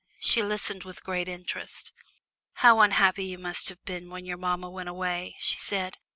She listened with great interest. "How unhappy you must have been when your mamma went away," she said.